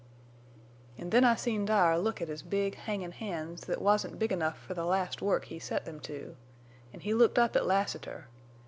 "An' then I seen Dyer look at his big, hangin' hands thet wasn't big enough fer the last work he set them to. An' he looked up at Lassiter.